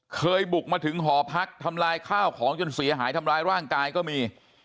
เคยบุกมาถึงหอพักทำลายข้าวของจนเสียหายทำร้ายร่างกายก็มี